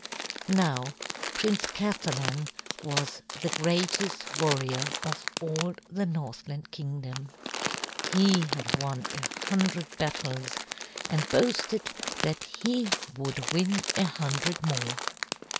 Now Prince Kathalan was the greatest warrior of all the Northland Kingdom. He had won a hundred battles and boasted that he would win a hundred more.